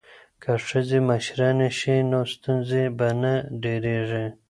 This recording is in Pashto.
که ښځې مشرانې شي نو ستونزې به نه ډیریږي.